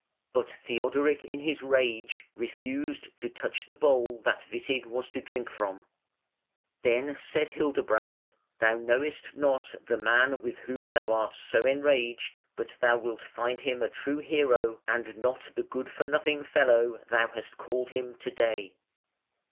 But Theodoric in his rage refused to touch the bowl that Witig was to drink from. Then said Hildebrand: "Thou knowest not the man with whom thou art so enraged, but thou wilt find him a true hero and not the good for nothing fellow thou hast called him to day".